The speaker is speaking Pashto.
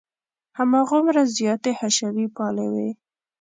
هماغومره زیاتې حشوي پالې وې.